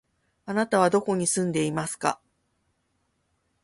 あなたはどこに住んでいますか？